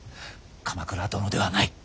鎌倉殿ではない。